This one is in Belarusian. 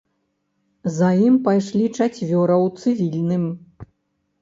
За ім пайшлі чацвёра ў цывільным.